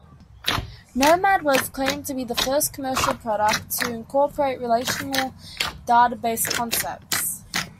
Nomad was claimed to be the first commercial product to incorporate relational database concepts.